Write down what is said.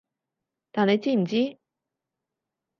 但你知唔知？